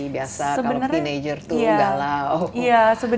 biasa kalau teenager tuh galau